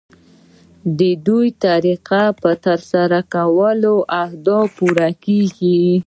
ددې طریقو په ترسره کولو اهداف پوره کیږي.